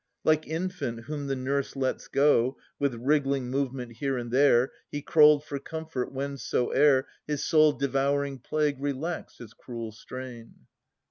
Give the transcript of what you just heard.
Like infant whom the nurse lets go. With wriggling movement here and there, He crawled for comfort, whensoe'er His soul devouring plague relaxed its cruel strain.